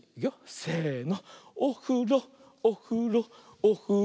せの。